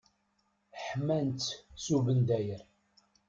Ḥman-tt s ubendayer.